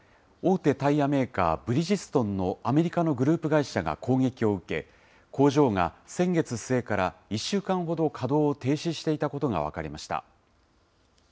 大手タイヤメーカー、ブリヂストンのアメリカのグループ会社が攻撃を受け、工場が先月末から１週間ほど稼働を停止していたことが分かりました。